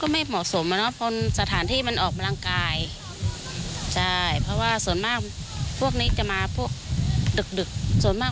ไม่เคยเจอแต่รู้ข่าวว่ามีเนอะ